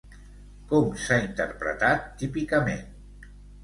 Com s'ha interpretat, típicament?